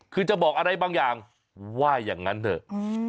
คือจะบอกอะไรบางอย่างว่าอย่างนั้นเถอะ